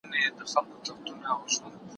چې د کاهنانو او مذهبي مشرانو.